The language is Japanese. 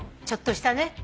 ちょっとしたね。